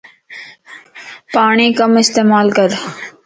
پاڙين ڪم استعمال ڪر